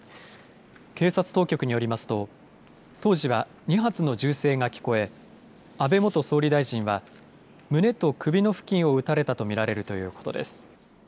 警察当局によりますと当時は２発の銃声が聞こえ安倍元総理大臣は胸と首の付近を撃たれたと見られるということです。